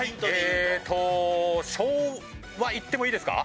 えーっと昭和いってもいいですか？